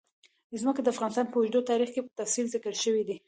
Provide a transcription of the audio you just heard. ځمکه د افغانستان په اوږده تاریخ کې په تفصیل ذکر شوی دی.